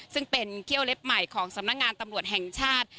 ซึ่งเป็นเกี้ยวเล็บใหม่ของสำนักงานตำรวจแห่งชาติ